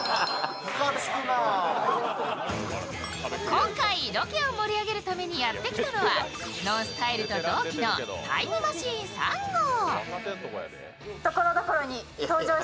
今回ロケを盛り上げるためにやってきたのはＮＯＮＳＴＹＬＥと同期のタイムマシーン３号。